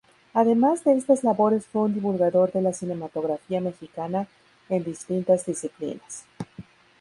Además de estas labores fue un divulgador de la cinematografía mexicana en distintas disciplinas.